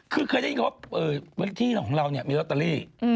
คือเคยได้ยินว่าเวลาที่ของเรามีลอตเตอรี่